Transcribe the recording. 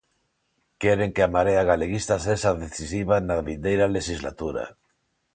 Queren que a Marea Galeguista sexa decisiva na vindeira lexislatura.